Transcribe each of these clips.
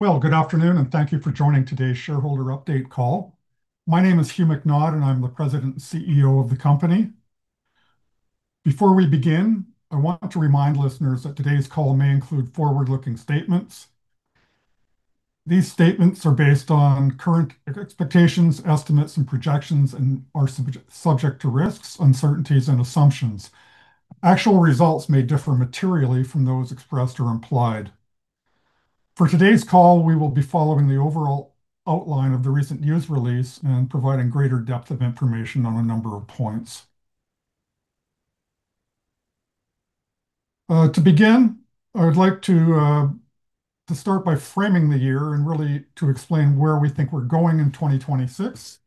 Well, good afternoon, thank you for joining today's shareholder update call. My name is Hugh MacNaught, and I'm the President and CEO of the company. Before we begin, I want to remind listeners that today's call may include forward-looking statements. These statements are based on current expectations, estimates, and projections, are subject to risks, uncertainties, and assumptions. Actual results may differ materially from those expressed or implied. For today's call, we will be following the overall outline of the recent news release and providing greater depth of information on a number of points. To begin, I would like to start by framing the year really to explain where we think we're going in 2026.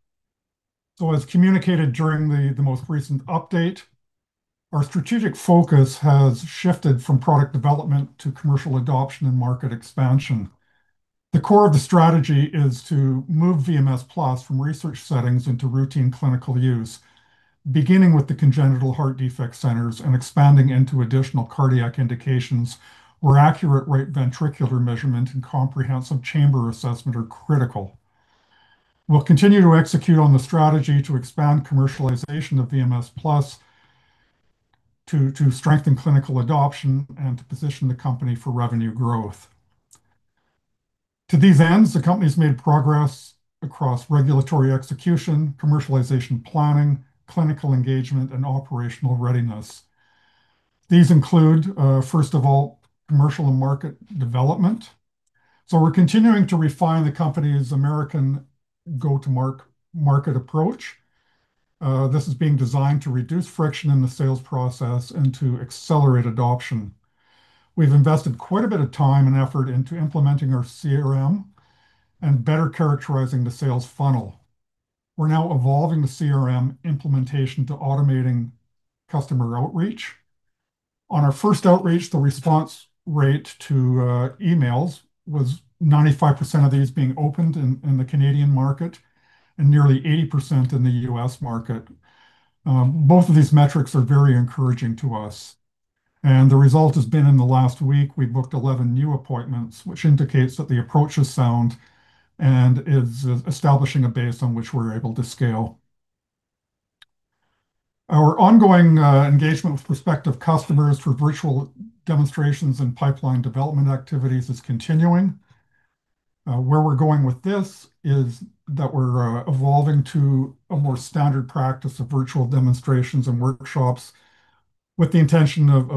As communicated during the most recent update, our strategic focus has shifted from product development to commercial adoption and market expansion. The core of the strategy is to move VMS+ from research settings into routine clinical use, beginning with the congenital heart defect centers and expanding into additional cardiac indications, where accurate right ventricular measurement and comprehensive chamber assessment are critical. We'll continue to execute on the strategy to expand commercialization of VMS+, to strengthen clinical adoption, and to position the company for revenue growth. To these ends, the company has made progress across regulatory execution, commercialization planning, clinical engagement, and operational readiness. These include, first of all, commercial and market development. We're continuing to refine the company's American go-to-market approach. This is being designed to reduce friction in the sales process and to accelerate adoption. We've invested quite a bit of time and effort into implementing our CRM and better characterizing the sales funnel. We're now evolving the CRM implementation to automating customer outreach. On our first outreach, the response rate to emails was 95% of these being opened in the Canadian market and nearly 80% in the U.S. market. Both of these metrics are very encouraging to us, and the result has been in the last week, we've booked 11 new appointments, which indicates that the approach is sound and is establishing a base on which we're able to scale. Our ongoing engagement with prospective customers for virtual demonstrations and pipeline development activities is continuing. Where we're going with this is that we're evolving to a more standard practice of virtual demonstrations and workshops, with the intention of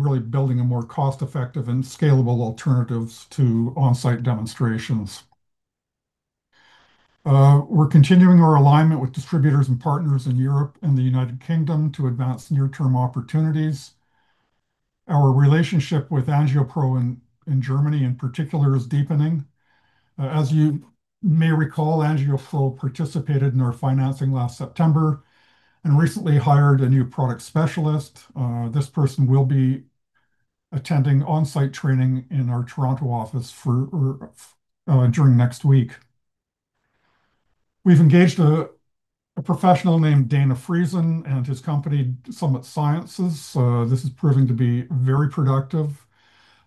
really building a more cost-effective and scalable alternatives to on-site demonstrations. We're continuing our alignment with distributors and partners in Europe and the United Kingdom to advance near-term opportunities. Our relationship with Angiopro in Germany, in particular, is deepening. As you may recall, Angiopro participated in our financing last September and recently hired a new product specialist. This person will be attending on-site training in our Toronto office during next week. We've engaged a professional named Dana Friesen and his company, Summit Sciences Inc. This is proving `to be very productive.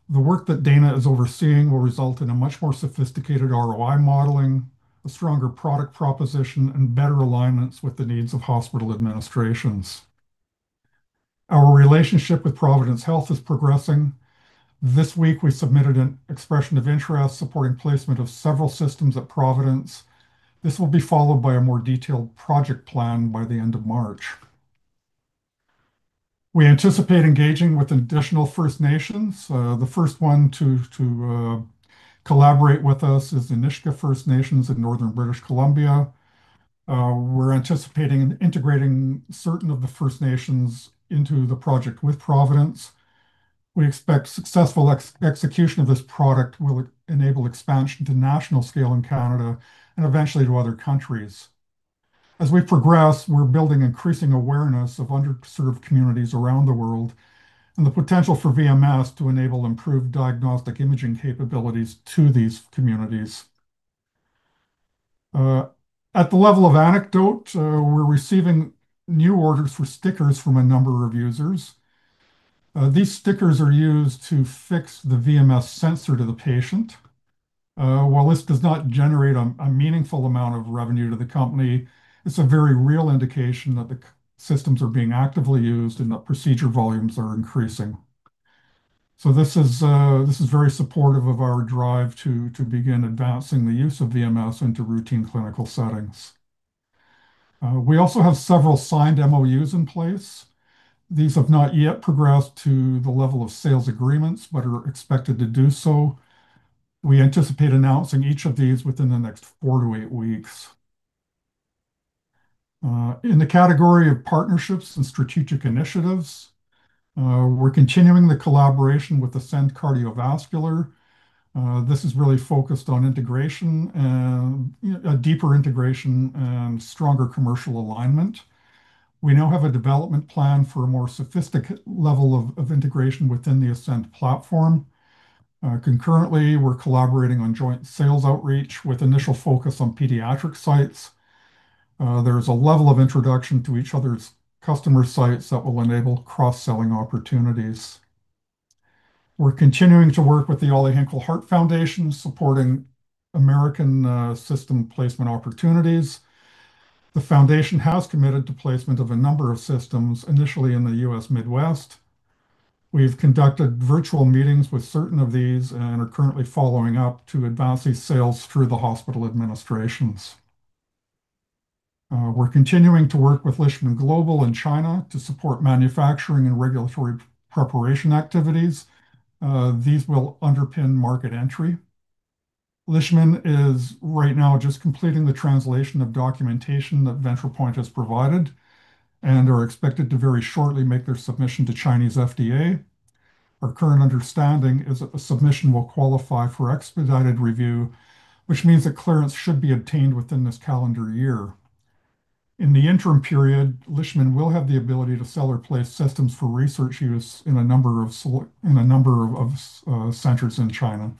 The work that Dana is overseeing will result in a much more sophisticated ROI modeling, a stronger product proposition, and better alignments with the needs of hospital administrations. Our relationship with Providence Health is progressing. This week, we submitted an expression of interest supporting placement of several systems at Providence. This will be followed by a more detailed project plan by the end of March. We anticipate engaging with an additional First Nations. The first one to collaborate with us is the Nisga'a First Nations in northern British Columbia. We're anticipating integrating certain of the First Nations into the project with Providence. We expect successful execution of this product will enable expansion to national scale in Canada and eventually to other countries. As we progress, we're building increasing awareness of underserved communities around the world and the potential for VMS to enable improved diagnostic imaging capabilities to these communities. At the level of anecdote, we're receiving new orders for stickers from a number of users. These stickers are used to fix the VMS sensor to the patient. While this does not generate a meaningful amount of revenue to the company, it's a very real indication that the systems are being actively used and that procedure volumes are increasing. This is very supportive of our drive to begin advancing the use of VMS into routine clinical settings. We also have several signed MOUs in place. Th`ese have not yet progressed to the level of sales agreements but are expected to do so. We anticipate announcing each of these within the next four to eight weeks. In the category of partnerships and strategic initiatives, we're continuing the collaboration with ASCEND Cardiovascular. This is really focused on integration and a deeper integration and stronger commercial alignment. We now have a development plan for a more sophisticated level of integration within the ASCEND platform. Concurrently, we're collaborating on joint sales outreach with initial focus on pediatric sites. There's a level of introduction to each other's customer sites that will enable cross-selling opportunities. We're continuing to work with the Ollie Hinkle Heart Foundation, supporting American system placement opportunities. The foundation has committed to placement of a number of systems, initially in the U.S. Midwest. We've conducted virtual meetings with certain of these and are currently following up to advance these sales through the hospital administrations. We're continuing to work with Lishman Global in China to support manufacturing and regulatory preparation activities. These will underpin market entry. Lishman is right now just completing the translation of documentation that Ventripoint has provided, and are expected to very shortly make their submission to Chinese FDA. Our current understanding is that the submission will qualify for expedited review, which means that clearance should be obtained within this calendar year. In the interim period, Lishman will have the ability to sell or place systems for research use in a number of centers in China.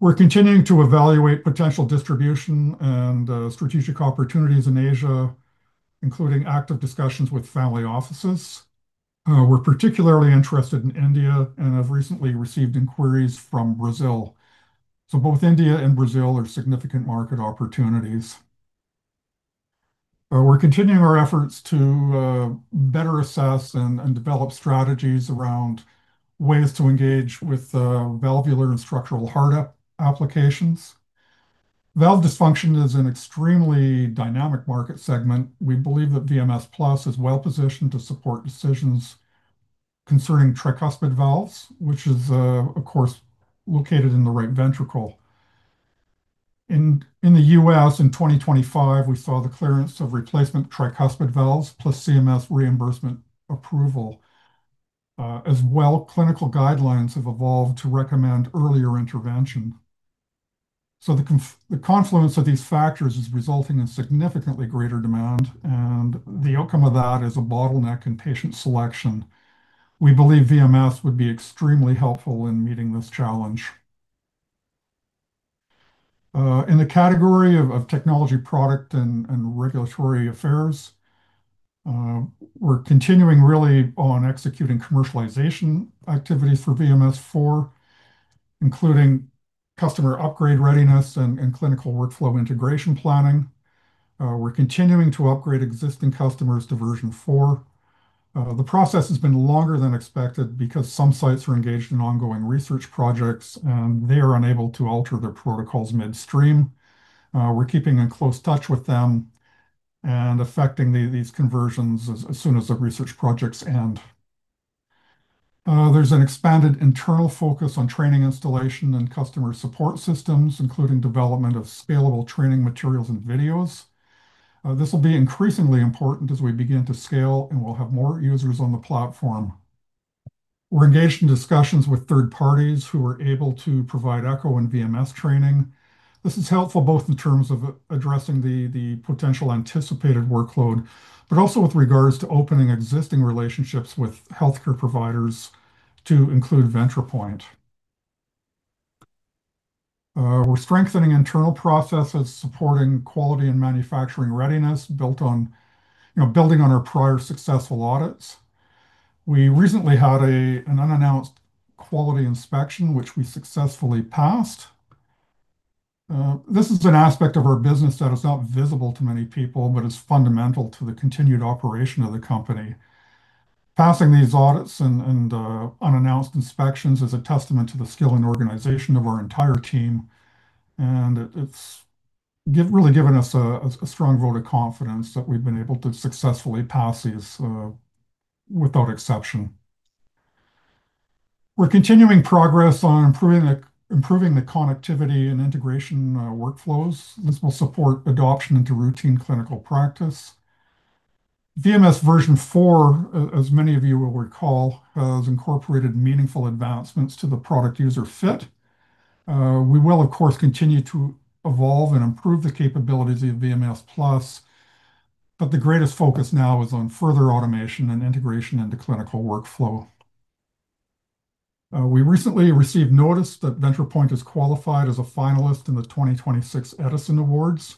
We're continuing to evaluate potential distribution and strategic opportunities in Asia, including active discussions with family offices. We're particularly interested in India and have recently received inquiries from Brazil. Both India and Brazil are significant market opportunities. We're continuing our efforts to better assess and develop strategies around ways to engage with valvular and structural heart applications. Valve dysfunction is an extremely dynamic market segment. We believe that VMS+ is well-positioned to support decisions concerning tricuspid valve, which is, of course, located in the right ventricle. In the U.S., in 2025, we saw the clearance of replacement tricuspid valves, plus CMS reimbursement approval. As well, clinical guidelines have evolved to recommend earlier intervention. The confluence of these factors is resulting in significantly greater demand, and the outcome of that is a bottleneck in patient selection. We believe VMS would be extremely helpful in meeting this challenge. In the category of technology, product, and regulatory affairs, we're continuing really on executing commercialization activities for VMS 4, including customer upgrade readiness and clinical workflow integration planning. We're continuing to upgrade existing customers to version 4. The process has been longer than expected because some sites are engaged in ongoing research projects, and they are unable to alter their protocols midstream. We're keeping in close touch with them and effecting these conversions as soon as the research projects end. There's an expanded internal focus on training, installation, and customer support systems, including development of scalable training materials and videos. This will be increasingly important as we begin to scale, and we'll have more users on the platform. We're engaged in discussions with third parties who are able to provide echo and VMS training. This is helpful both in terms of addressing the potential anticipated workload, but also with regards to opening existing relationships with healthcare providers to include Ventripoint. We're strengthening internal processes, supporting quality and manufacturing readiness, built on, you know, building on our prior successful audits. We recently had an unannounced quality inspection, which we successfully passed. This is an aspect of our business that is not visible to many people but is fundamental to the continued operation of the company. Passing these audits and unannounced inspections is a testament to the skill and organization of our entire team, and it's really given us a strong vote of confidence that we've been able to successfully pass these without exception. We're continuing progress on improving the connectivity and integration workflows. This will support adoption into routine clinical practice. VMS version 4, as many of you will recall, has incorporated meaningful advancements to the product-user fit. We will, of course, continue to evolve and improve the capabilities of VMS+, but the greatest focus now is on further automation and integration into clinical workflow. We recently received notice that Ventripoint is qualified as a finalist in the 2026 Edison Awards.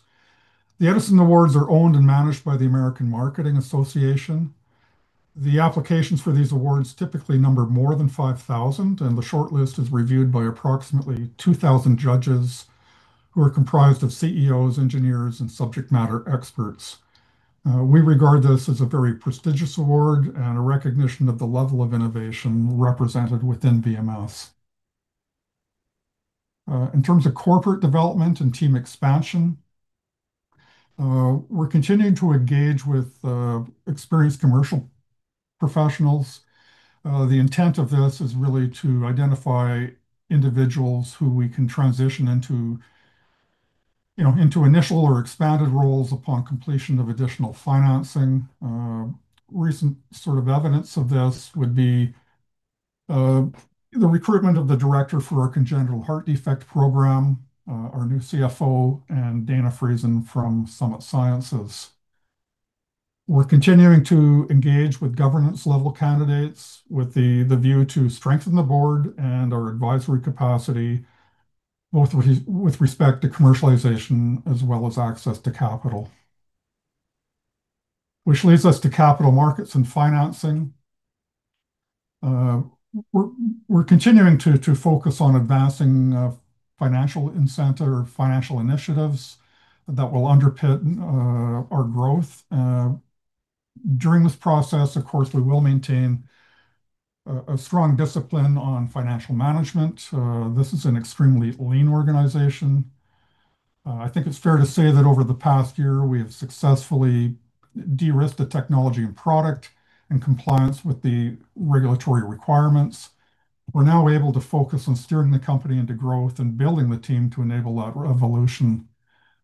The Edison Awards are owned and managed by the American Marketing Association. The applications for these awards typically number more than 5,000, and the shortlist is reviewed by approximately 2,000 judges who are comprised of CEOs, engineers, and subject matter experts. We regard this as a very prestigious award and a recognition of the level of innovation represented within VMS. In terms of corporate development and team expansion, we're continuing to engage with experienced commercial professionals. The intent of this is really to identify individuals who we can transition into, you know, into initial or expanded roles upon completion of additional financing. Recent sort of evidence of this would be the recruitment of the director for our congenital heart defect program, our new CFO, and Dana Friesen from Summit Sciences. We're continuing to engage with governance-level candidates, with the view to strengthen the board and our advisory capacity, both with respect to commercialization as well as access to capital. Which leads us to capital markets and financing. We're continuing to focus on advancing financial incentive or financial initiatives that will underpin our growth. During this process, of course, we will maintain a strong discipline on financial management. This is an extremely lean organization. I think it's fair to say that over the past year, we have successfully de-risked the technology and product in compliance with the regulatory requirements. We're now able to focus on steering the company into growth and building the team to enable that revolution.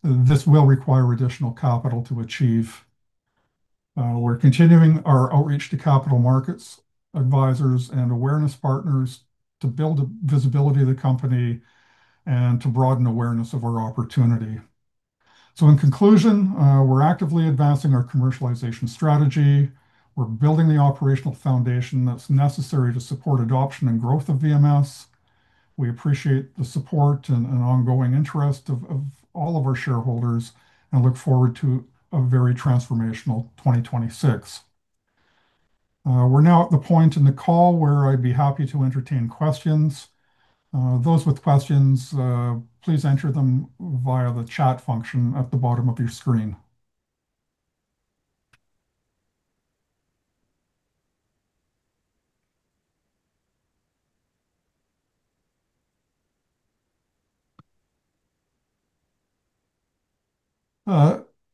This will require additional capital to achieve. We're continuing our outreach to capital markets, advisors, and awareness partners to build the visibility of the company and to broaden awareness of our opportunity. In conclusion, we're actively advancing our commercialization strategy. We're building the operational foundation that's necessary to support adoption and growth of VMS. We appreciate the support and ongoing interest of all of our shareholders and look forward to a very transformational 2026. We're now at the point in the call where I'd be happy to entertain questions. Those with questions, please enter them via the chat function at the bottom of your screen.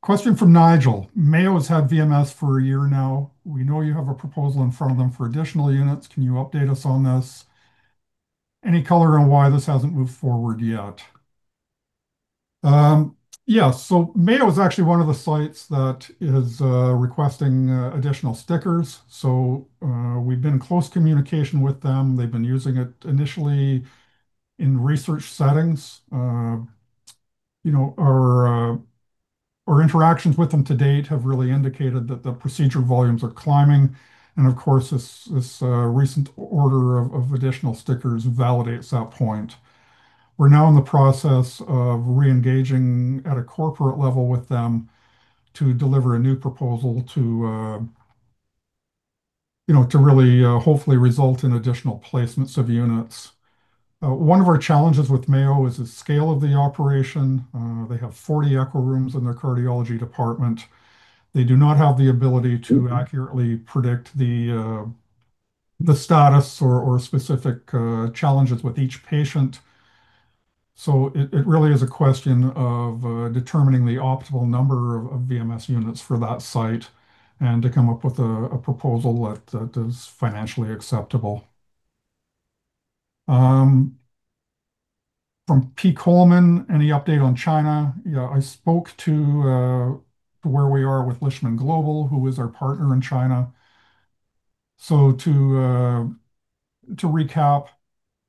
Question from Nigel: "Mayo has had VMS for a year now. We know you have a proposal in front of them for additional units. Can you update us on this? Any color on why this hasn't moved forward yet? Mayo is actually one of the sites that is requesting additional stickers. We've been in close communication with them. They've been using it initially in research settings. Our interactions with them to date have really indicated that the procedure volumes are climbing, and of course, this recent order of additional stickers validates that point. We're now in the process of re-engaging at a corporate level with them to deliver a new proposal to really hopefully result in additional placements of units. One of our challenges with Mayo is the scale of the operation. They have 40 echo rooms in their cardiology department. They do not have the ability to accurately predict the status or specific challenges with each patient. It really is a question of determining the optimal number of VMS units for that site and to come up with a proposal that is financially acceptable. From P. Coleman, "Any update on China?" I spoke to where we are with Lishman Global, who is our partner in China. To recap,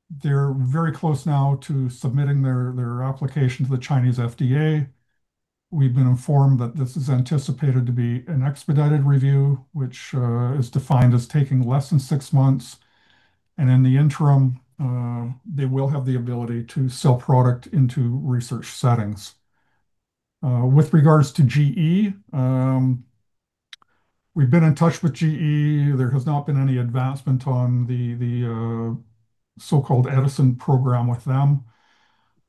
they're very close now to submitting their application to the Chinese FDA. We've been informed that this is anticipated to be an expedited review, which is defined as taking less than six months, and in the interim, they will have the ability to sell product into research settings. With regards to GE, we've been in touch with GE. There has not been any advancement on the so-called Edison program with them.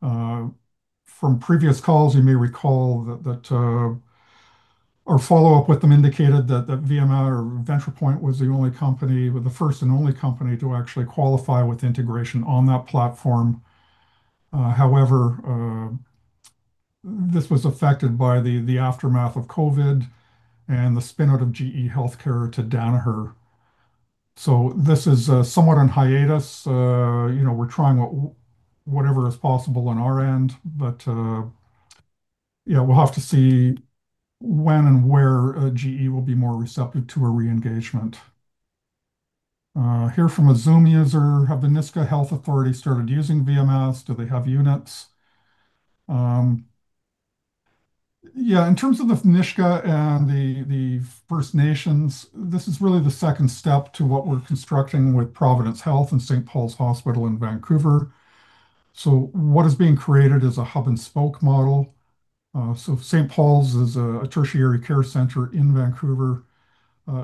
From previous calls, you may recall that our follow-up with them indicated that the VMR or Ventripoint was the only company, the first and only company to actually qualify with integration on that platform. However, this was affected by the aftermath of COVID and the spin-out of GE Healthcare to Danaher. This is somewhat on hiatus. You know, we're trying whatever is possible on our end, but yeah, we'll have to see when and where GE will be more receptive to a re-engagement. Here from a Zoom user: 'Have the Nisga'a Health Authority started using VMS?' Do they have units?" Yeah, in terms of the Nisga'a and the First Nations, this is really the second step to what we're constructing with Providence Health and St. Paul's Hospital in Vancouver. What is being created is a hub-and-spoke model. St. Paul's is a tertiary care center in Vancouver.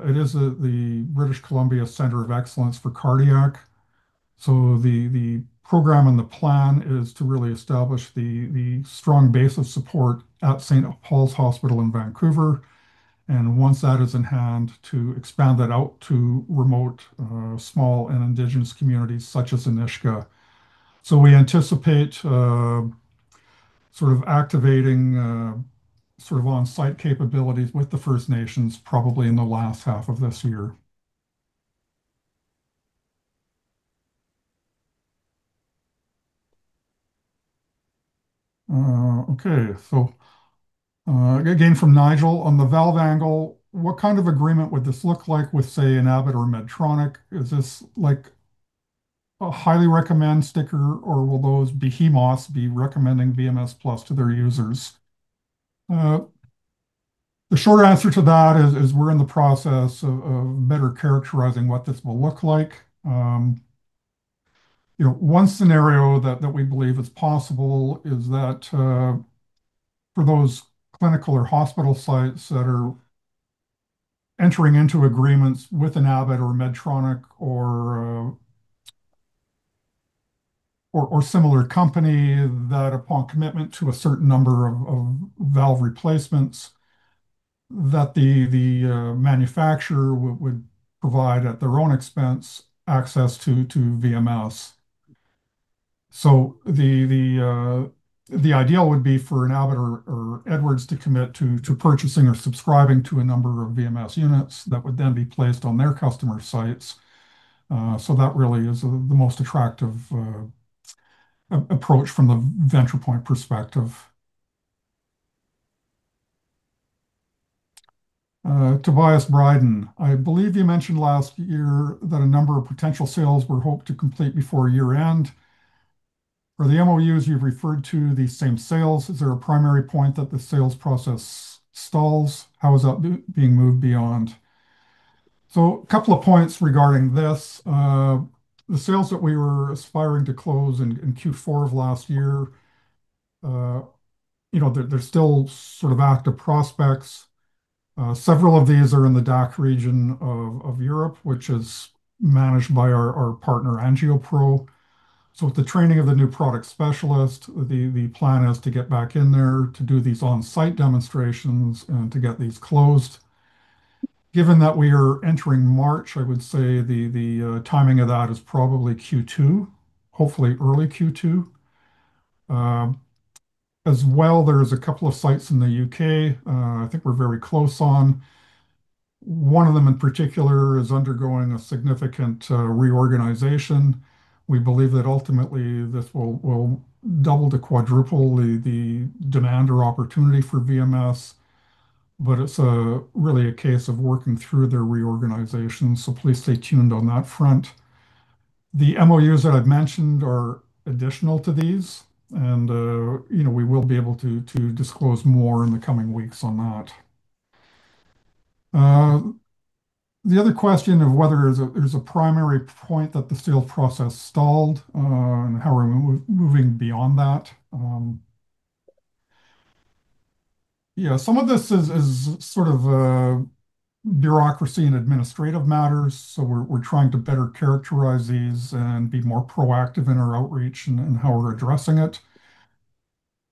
It is the British Columbia Center of Excellence for Cardiac. The program and the plan is to really establish the strong base of support at St. Paul's Hospital in Vancouver, and once that is in hand, to expand that out to remote, small and indigenous communities such as Nisga'a. We anticipate sort of activating sort of on-site capabilities with the First Nations, probably in the last half of this year. Okay, again, from Nigel: "On the valve angle, what kind of agreement would this look like with, say, an Abbott or Medtronic? Is this A highly recommend sticker or will those behemoths be recommending VMS+ to their users?" The short answer to that is we're in the process of better characterizing what this will look like. You know, one scenario that we believe is possible is that for those clinical or hospital sites that are entering into agreements with an Abbott or Medtronic or similar company, that upon commitment to a certain number of valve replacements, that the manufacturer would provide, at their own expense, access to VMS. The ideal would be for an Abbott or Edwards to commit to purchasing or subscribing to a number of VMS units that would then be placed on their customer sites. That really is the most attractive approach from the Ventripoint perspective. I believe you mentioned last year that a number of potential sales were hoped to complete before year-end. For the MOUs, you've referred to the same sales. Is there a primary point that the sales process stalls? How is that being moved beyond? A couple of points regarding this. The sales that we were aspiring to close in Q4 of last year, you know, they're still sort of active prospects. Several of these are in the DACH region of Europe, which is managed by our partner, Angiopro. With the training of the new product specialist, the plan is to get back in there to do these on-site demonstrations and to get these closed. Given that we are entering March, I would say the timing of that is probably Q2, hopefully early Q2. As well, there's a couple of sites in the U.K., I think we're very close on. One of them in particular is undergoing a significant reorganization. We believe that ultimately this will double to quadruple the demand or opportunity for VMS, but it's a really a case of working through their reorganization, so please stay tuned on that front. The MOUs that I've mentioned are additional to these, and, you know, we will be able to disclose more in the coming weeks on that. The other question of whether there's a primary point that the sales process stalled, and how are we moving beyond that? Yeah, some of this is sort of bureaucracy and administrative matters, so we're trying to better characterize these and be more proactive in our outreach and how we're addressing it.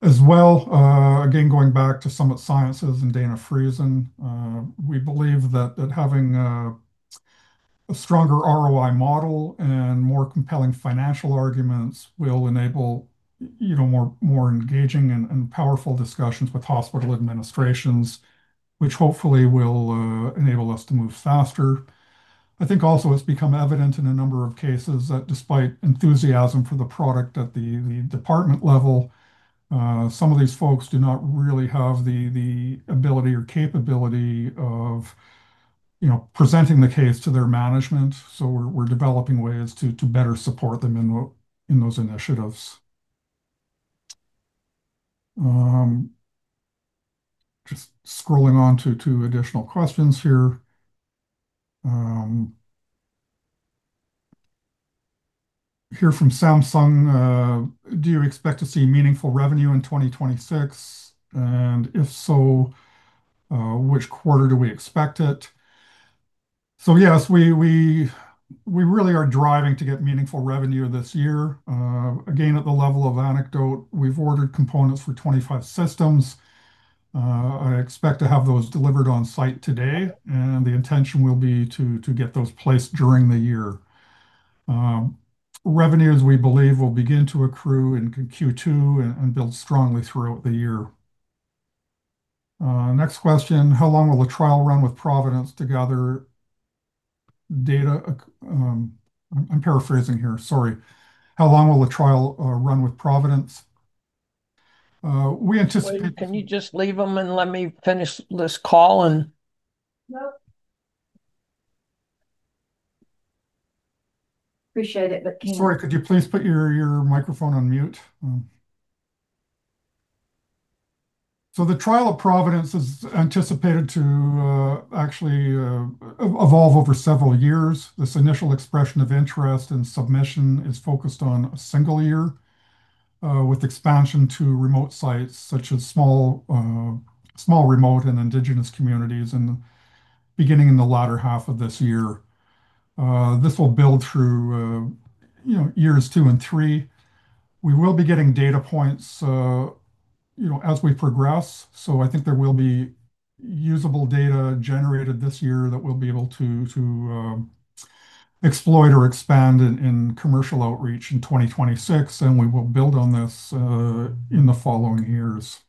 As well, again, going back to Summit Sciences and Dana Friesen, we believe that having a stronger ROI model and more compelling financial arguments will enable even more engaging and powerful discussions with hospital administrations, which hopefully will enable us to move faster. I think also it's become evident in a number of cases that despite enthusiasm for the product at the department level, some of these folks do not really have the ability or capability of, you know, presenting the case to their management, so we're developing ways to better support them in those initiatives. Just scrolling on to two additional questions here. Here from Samsung: Do you expect to see meaningful revenue in 2026? If so, which quarter do we expect it? Yes, we really are driving to get meaningful revenue this year. Again, at the level of anecdote, we've ordered components for 25 systems. I expect to have those delivered on site today, and the intention will be to get those placed during the year. Revenues, we believe, will begin to accrue in Q2 and build strongly throughout the year. Next question: How long will the trial run with Providence to gather data? I'm paraphrasing here, sorry. How long will the trial run with Providence? Can you just leave them and let me finish this call? Nope. Appreciate it, but, you know,. Sorry, could you please put your microphone on mute? The trial of Providence is anticipated to actually evolve over several years. This initial expression of interest and submission is focused on a single year, with expansion to remote sites such as small, remote, and indigenous communities, beginning in the latter half of this year. This will build through, you know, years two and three. We will be getting data points, you know, as we progress. I think there will be usable data generated this year that we'll be able to exploit or expand in commercial outreach in 2026. We will build on this in the following years.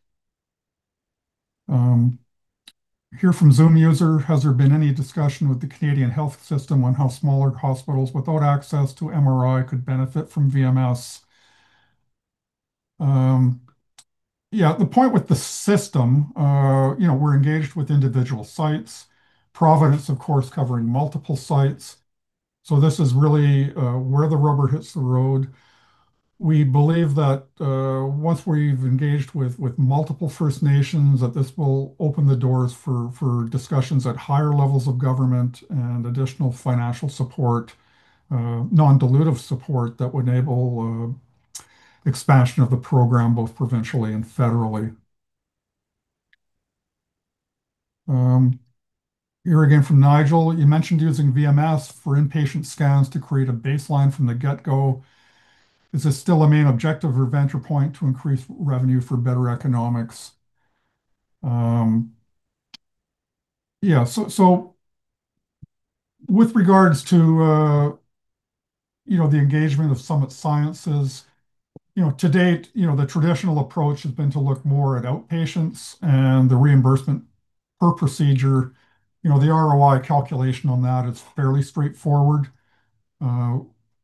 Here from Zoom user: Has there been any discussion with the Canadian health system on how smaller hospitals without access to MRI could benefit from VMS? Yeah, the point with the system, you know, we're engaged with individual sites. Providence, of course, covering multiple sites. This is really where the rubber hits the road. We believe that once we've engaged with multiple First Nations, that this will open the doors for discussions at higher levels of government and additional financial support, non-dilutive support that would enable expansion of the program, both provincially and federally. Here again, from Nigel: "You mentioned using VMS for inpatient scans to create a baseline from the get-go. Is this still a main objective or Ventripoint to increase revenue for better economics?" Yeah, so with regards to, you know, the engagement of Summit Sciences, you know, to date, you know, the traditional approach has been to look more at outpatients and the reimbursement per procedure. You know, the ROI calculation on that is fairly straightforward.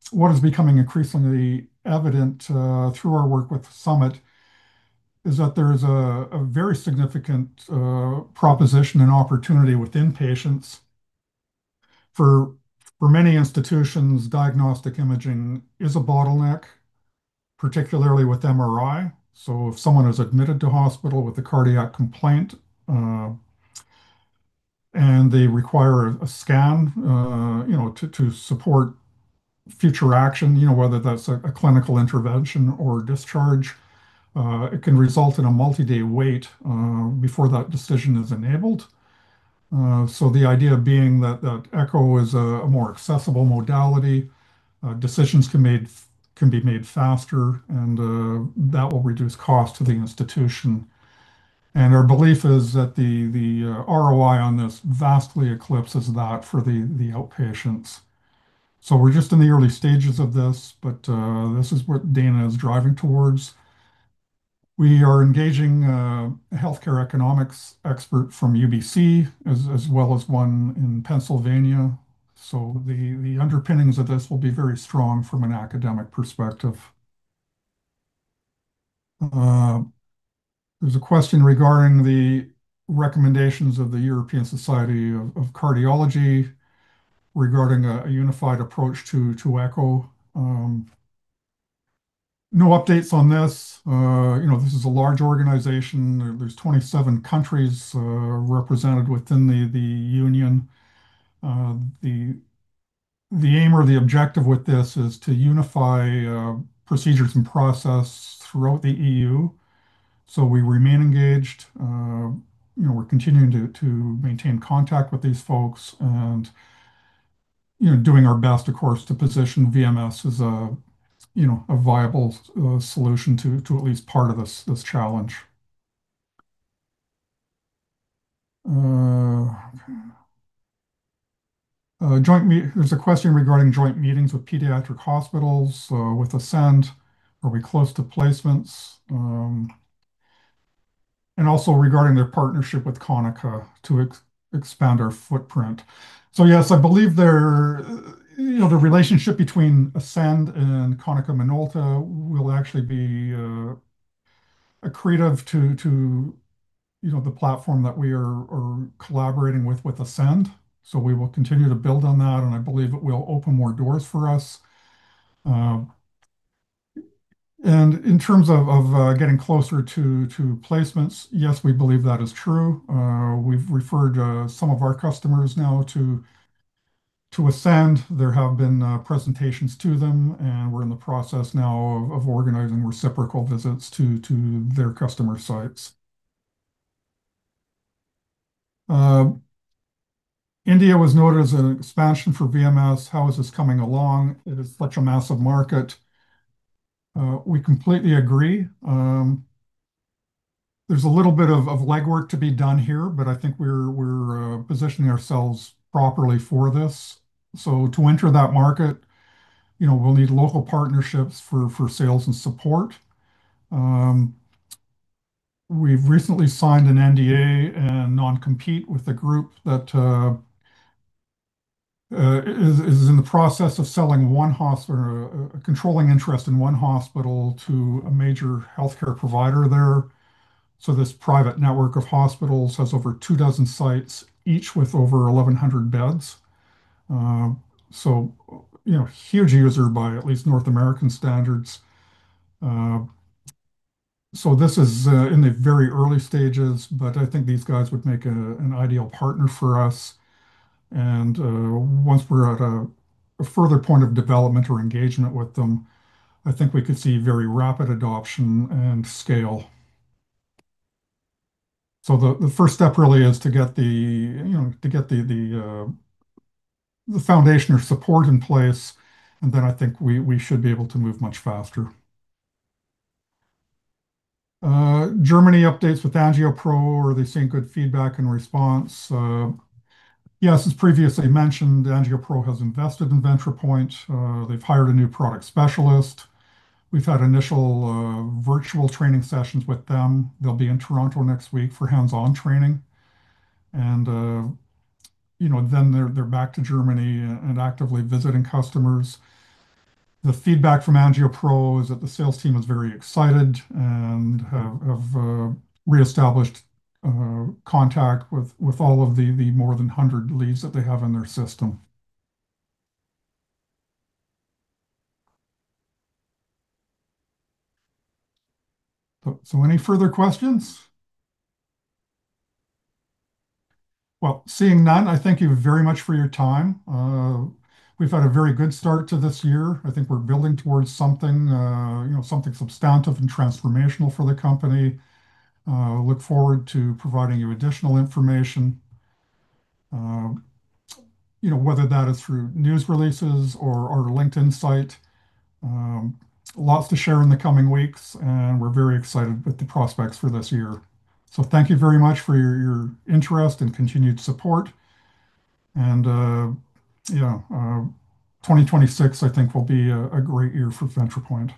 What is becoming increasingly evident, through our work with Summit is that there is a very significant proposition and opportunity with inpatients. For many institutions, diagnostic imaging is a bottleneck, particularly with MRI. So if someone is admitted to hospital with a cardiac complaint, uh, and they require a scan, uh, you know, to support future action, you know, whether that's a, a clinical intervention or discharge, uh, it can result in a multi-day wait, uh, before that decision is enabled. Uh, so the idea being that the echo is a more accessible modality, uh, decisions can made-- f- can be made faster, and, uh, that will reduce cost to the institution. And our belief is that the, the, uh, ROI on this vastly eclipses that for the, the outpatients. So we're just in the early stages of this, but, uh, this is what Dana is driving towards. We are engaging a healthcare economics expert from UBC, as well as one in Pennsylvania, so the underpinnings of this will be very strong from an academic perspective. There's a question regarding the recommendations of the European Society of Cardiology regarding a unified approach to echo. No updates on this. You know, this is a large organization. There's 27 countries represented within the union. The aim or the objective with this is to unify procedures and process throughout the E.U. We remain engaged. You know, we're continuing to maintain contact with these folks and, you know, doing our best, of course, to position VMS as a, you know, a viable solution to at least part of this challenge. Okay. There's a question regarding joint meetings with pediatric hospitals with ASCEND. Are we close to placements? Also, regarding their partnership with Konica to expand our footprint. Yes, I believe you know, the relationship between ASCEND and Konica Minolta will actually be accretive to, you know, the platform that we're collaborating with ASCEND. We will continue to build on that. I believe it will open more doors for us. In terms of getting closer to placements, yes, we believe that is true. We've referred some of our customers now to ASCEND. There have been presentations to them. We're in the process now of organizing reciprocal visits to their customer sites. India was noted as an expansion for VMS. How is this coming along? It is such a massive market. We completely agree. There's a little bit of legwork to be done here, but I think we're positioning ourselves properly for this. To enter that market, you know, we'll need local partnerships for sales and support. We've recently signed an NDA and non-compete with a group that is in the process of selling one hospital or a controlling interest in one hospital to a major healthcare provider there. This private network of hospitals has over two dozen sites, each with over 1,100 beds. You know, huge user by at least North American standards. This is in the very early stages, but I think these guys would make an ideal partner for us. Once we're at a further point of development or engagement with them, I think we could see very rapid adoption and scale. The first step really is to get the, you know, to get the foundation or support in place, and then I think we should be able to move much faster. Germany updates with Angiopro. Are they seeing good feedback and response? Yes, as previously mentioned, Angiopro has invested in Ventripoint. They've hired a new product specialist. We've had initial virtual training sessions with them. They'll be in Toronto next week for hands-on training, and you know, then they're back to Germany and actively visiting customers. The feedback from Angiopro is that the sales team is very excited and have reestablished contact with all of the more than 100 leads that they have in their system. Any further questions? Well, seeing none, I thank you very much for your time. We've had a very good start to this year. I think we're building towards something, you know, something substantive and transformational for the company. Look forward to providing you additional information, you know, whether that is through news releases or our LinkedIn site. Lots to share in the coming weeks, we're very excited with the prospects for this year. Thank you very much for your interest and continued support. You know, 2026, I think, will be a great year for Ventripoint.